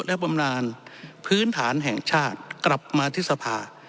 และบำนานพื้นฐานแห่งชาติกลับมาที่สภา